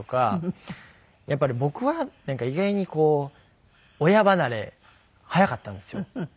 やっぱり僕は意外に親離れ早かったんですよ。